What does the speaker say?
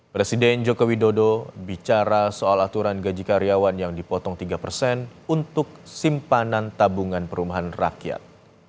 presiden joko widodo bicara soal aturan gaji karyawan yang dipotong tiga persen untuk simpanan tabungan perumahan rakyat